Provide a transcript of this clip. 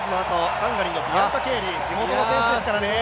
ハンガリーのビアンカ・ケーリ、地元の選手です。